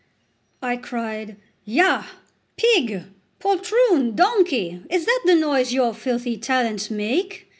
I cried: "Yah! pig, poltroon, donkey! is that the noise your filthy talents make?"